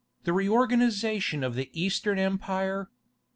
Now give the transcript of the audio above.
THE REORGANIZATION OF THE EASTERN EMPIRE.